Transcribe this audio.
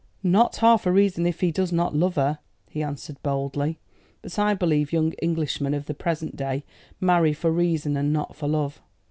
"Not half a reason if he does not love her," he answered boldly. "But I believe young Englishmen of the present day marry for reason and not for love.